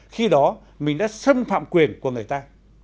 khi đó mình đã xâm phạm quyền của người ta